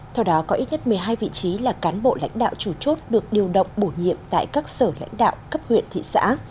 theo đó có ít nhất một mươi hai vị trí là cán bộ lãnh đạo chủ chốt được điều động bổ nhiệm tại các sở lãnh đạo cấp huyện thị xã